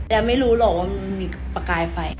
แล้วไม่รู้หรอกว่ามันมีประกายไฟ